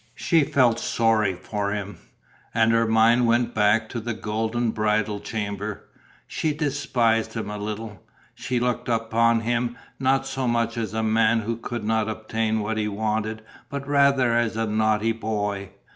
She felt sorry for him; and her mind went back to the golden bridal chamber. She despised him a little. She looked upon him not so much as a man who could not obtain what he wanted but rather as a naughty boy.